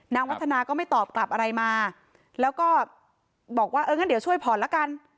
วัฒนาก็ไม่ตอบกลับอะไรมาแล้วก็บอกว่าเอองั้นเดี๋ยวช่วยผ่อนละกัน